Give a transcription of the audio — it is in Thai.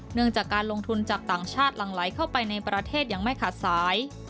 เนื่องจากการลงทุนจากต่างชาติหลั่งไหลเข้าไปในประเทศยังไม่ขาดสาย